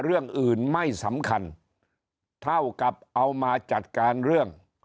เรื่องอื่นไม่สำคัญเท่ากับเอามาจัดการเรื่อง